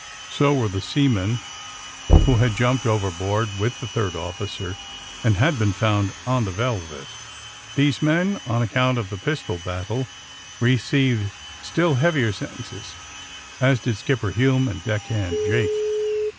So were the seamen who had jumped overboard with the third officer and had been found on the ^^ Velvet." These men, on account of the pistol battle, received still heavier sentences, as did Skipper Hume and deck hand Jake.